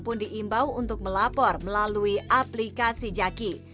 pun diimbau untuk melapor melalui aplikasi jaki